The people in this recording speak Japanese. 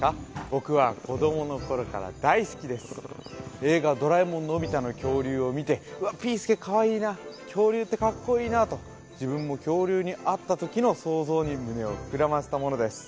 僕は子供の頃から大好きです「映画ドラえもんのび太の恐竜」を見てうわっピー助かわいいな恐竜ってカッコいいなと自分も恐竜に会ったときの想像に胸を膨らませたものです